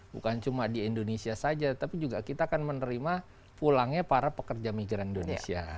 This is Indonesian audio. bukan cuma di indonesia saja tapi juga kita akan menerima pulangnya para pekerja migran indonesia